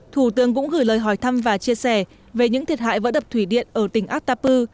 thủ tướng cũng gửi lời hỏi thăm và chia sẻ về những thiệt hại vỡ đập thủy điện ở tỉnh atapu